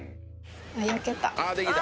焼けた。